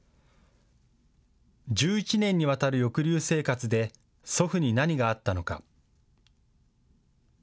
１１年にわたる抑留生活で祖父に何があったのか。